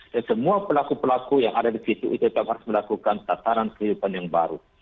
dan semua pelaku pelaku yang ada di situ tetap harus melakukan tataran kehidupan yang baru